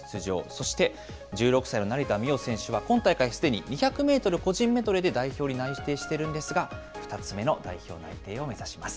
そして１６歳の成田実生選手は今大会、すでに２００メートル個人メドレーで代表に内定しているんですが、２つ目の代表内定を目指します。